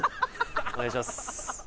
お願いします